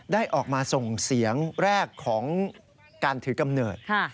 ได้ออกมาส่งเสียงแรกของการถือกำเนิด